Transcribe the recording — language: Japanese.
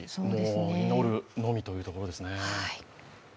もう祈るのみというところですね。